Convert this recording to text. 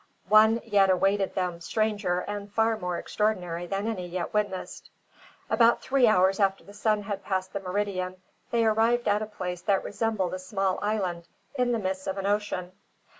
One yet awaited them, stranger and more extraordinary than any yet witnessed. About three hours after the sun had passed the meridian, they arrived at a place that resembled a small island in the midst of an ocean.